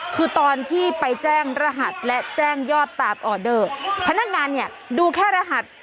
คือตอนที่ไปแจ้งรหัสและแจ้งยอดตามออเดอร์พนักงานเนี่ยดูแค่รหัส